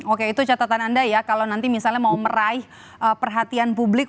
oke itu catatan anda ya kalau nanti misalnya mau meraih perhatian publik